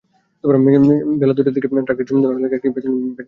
বেলা দুইটার দিকে ট্রাকটি জুমদহ এলাকায় একটি ভ্যানকে পেছন থেকে চাপা দেয়।